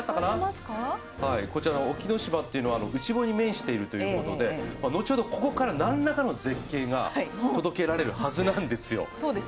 こちらの沖ノ島というのは内房に面しているということで後ほど、ここから何らかの絶景が届けられるはずなんですよ。